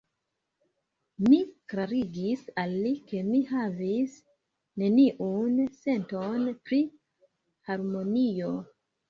Mi klarigis al li, ke mi havis neniun senton pri harmonio.